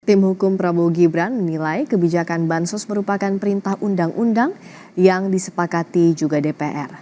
tim hukum prabowo gibran menilai kebijakan bansos merupakan perintah undang undang yang disepakati juga dpr